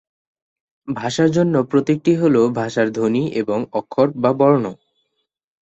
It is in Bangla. ভাষার অন্য প্রতীকটি হলো ভাষার ধ্বনি এবং অক্ষর বা বর্ণ।